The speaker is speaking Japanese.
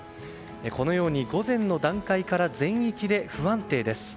このように午前の段階から全域で不安定です。